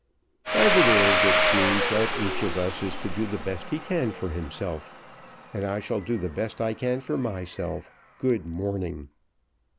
As it is, it seems that each of us is to do the best he can for himself, and I shall do the best I can for myself. Good morning."